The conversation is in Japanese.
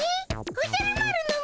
おじゃる丸の虫